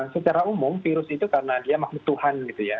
secara umum virus itu karena dia makhluk tuhan gitu ya